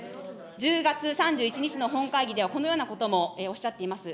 １０月３１日の本会議ではこのようなこともおっしゃっています。